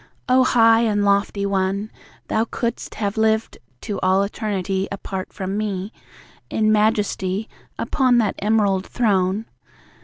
O high and lofty One! THOU couldst have lived to all eternity Apart from ME! In majesty, upon that emerald throne.